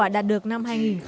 được năm hai nghìn một mươi tám